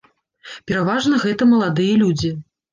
Пераважна гэта маладыя людзі.